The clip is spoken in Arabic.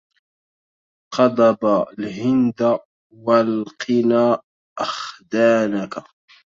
قضب الهند والقنا أخدانك